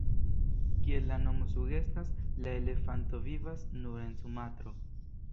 Kiel la nomo sugestas, la elefanto vivas nur en Sumatro.